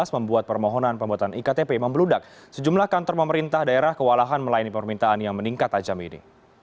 membuat permohonan pembuatan iktp membeludak sejumlah kantor pemerintah daerah kewalahan melayani permintaan yang meningkat tajam ini